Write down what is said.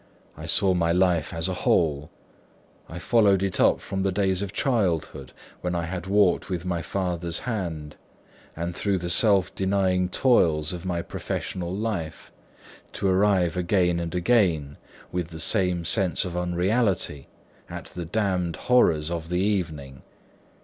I saw my life as a whole: I followed it up from the days of childhood, when I had walked with my father's hand, and through the self denying toils of my professional life, to arrive again and again, with the same sense of unreality, at the damned horrors of the evening.